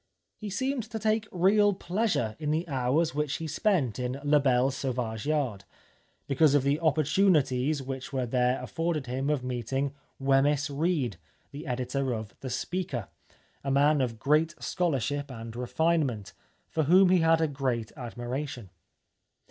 He seemed to take real pleasure in the hours which he spent in La Belle Sauvage Yard, because of the opportunities which were there afforded him of meeting Wemyss Reid, the editor of The Speaker, a man of great scholarship and refinement, for whom he had a great ad miration.